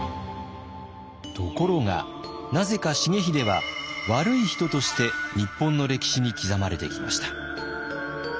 ところがなぜか重秀は悪い人として日本の歴史に刻まれてきました。